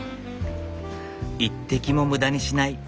一滴も無駄にしない。